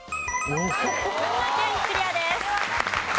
群馬県クリアです。